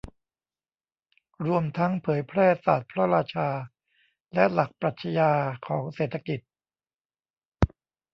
รวมทั้งเผยแพร่ศาสตร์พระราชาและหลักปรัชญาของเศรษฐกิจ